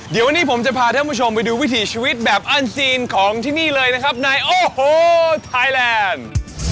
เดี๋ยววันนี้ผมจะพาท่านผู้ชมไปดูวิถีชีวิตแบบอันซีนของที่นี่เลยนะครับในโอ้โหไทยแลนด์